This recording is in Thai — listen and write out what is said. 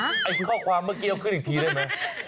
ไอ้ข้อความเมื่อกี้เอาขึ้นอีกทีเลยไหม